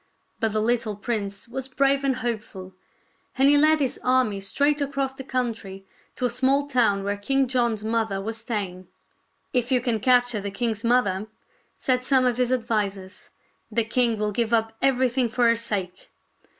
But the little prince was brave and hopeful, and he led his army straight across the couhtry to a small town where King John's mother' was staying. " If you can capture the king's mother," said some of his advisers, " the king will give up everything for her sake."